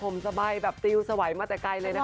ผมสบายเป็นตีวสวัยมาแต่ใกล้เลยนะคะ